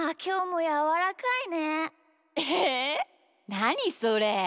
なにそれ。